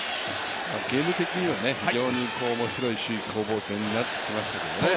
ゲーム的には非常におもしろい首位攻防戦になってきましたね。